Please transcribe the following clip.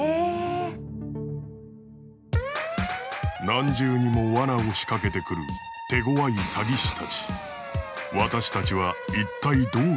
何重にも罠を仕掛けてくる手ごわい詐欺師たち。